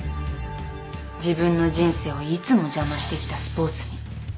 自分の人生をいつも邪魔してきたスポーツに。